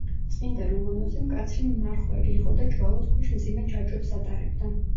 წმინდა რომანოზი მკაცრი მმარხველი იყო და ჯვალოს ქვეშ მძიმე ჯაჭვებს ატარებდა.